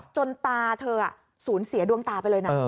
ตาเธอสูญเสียดวงตาไปเลยนะ